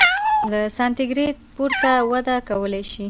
له سانتي ګراد پورته وده کولای شي.